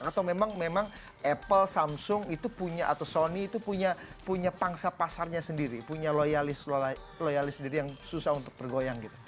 atau memang apple samsung itu punya atau sony itu punya pangsa pasarnya sendiri punya loyalis sendiri yang susah untuk tergoyang gitu